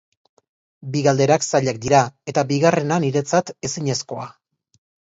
Bi galderak zailak dira, eta bigarrena, niretzat, ezinezkoa.